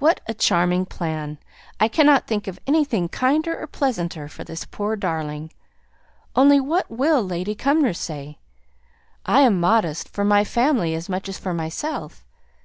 "What a charming plan! I cannot think of anything kinder or pleasanter for this poor darling. Only what will Lady Cumnor say? I am modest for my family as much as for myself.